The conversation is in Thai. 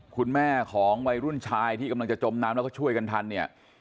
คุณแม่ของวัยรุ่นชายที่กำลังจะจมน้ำแล้วก็ช่วยกันทันเนี่ย